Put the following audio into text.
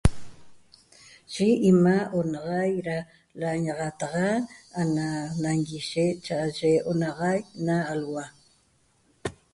Yi imaa' onaxaiq da lañaxataxa ana nañiguishe cha aye onaxaiq na alhua